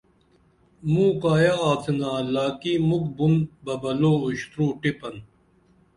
مُوں کایہ آڅِنا لاکی مُکھ بُن ببلو اُشتُرو ٹِپن